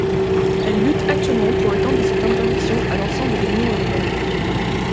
Elle lutte actuellement pour étendre cette interdiction à l'ensemble de l'Union européenne.